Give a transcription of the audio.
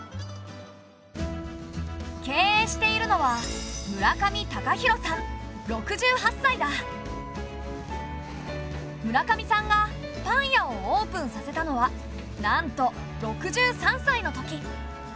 経営しているのは村上さんがパン屋をオープンさせたのはなんと６３歳のとき。